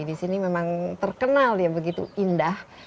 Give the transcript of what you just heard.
di sini memang terkenal ya begitu indah